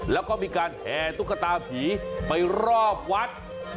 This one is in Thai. แล้วก็มีการแห่ตุ๊กตาผีไปรอบวัด